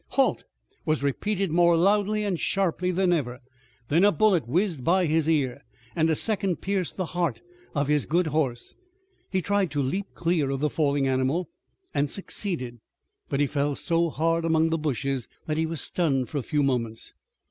"Halt!" was repeated more loudly and sharply than ever. Then a bullet whizzed by Dick's ear, and a second pierced the heart of his good horse. He tried to leap clear of the falling animal, and succeeded, but he fell so hard among the bushes that he was stunned for a few moments.